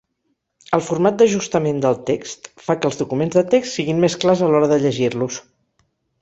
El format d'ajustament del text fa que els documents de text siguin més clars a l'hora de llegir-los.